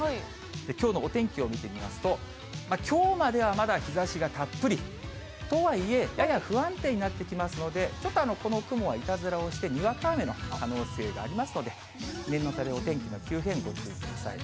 きょうのお天気を見てみますと、きょうまではまだ日ざしがたっぷりとはいえ、やや不安定になってきますので、ちょっとこの雲がいたずらをして、にわか雨の可能性がありますので、念のため、お天気の急変、ご注意ください。